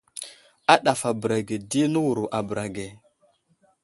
A ɗafabəra ge di nəwuro a bəra ge.